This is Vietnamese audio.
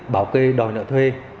bảo kê đòi nợ thuê